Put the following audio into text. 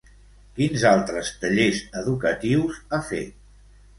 Quins altres tallers educatius ha fet?